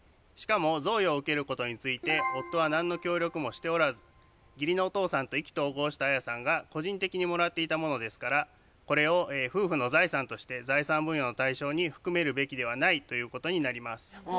しかも贈与を受けることについて夫は何の協力もしておらず義理のお父さんと意気投合したアヤさんが個人的にもらっていたものですからこれを夫婦の財産として財産分与の対象に含めるべきではないということになります。